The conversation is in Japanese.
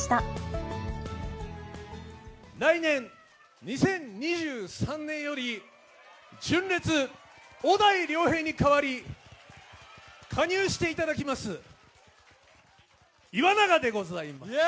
来年２０２３年より、純烈・小田井涼平に代わり、加入していただきます、岩永でございます。